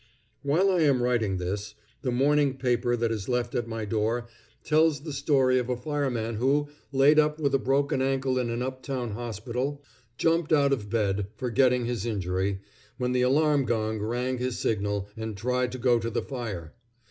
While I am writing this, the morning paper that is left at my door tells the story of a fireman who, laid up with a broken ankle in an up town hospital, jumped out of bed, forgetting his injury, when the alarm gong rang his signal, and tried to go to the fire.